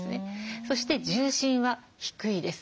そして重心は低いです。